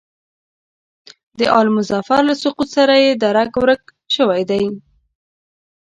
د آل مظفر له سقوط سره یې درک ورک شوی دی.